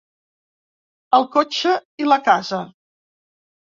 El cotxe i la casa.